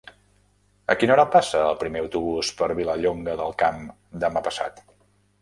A quina hora passa el primer autobús per Vilallonga del Camp demà passat?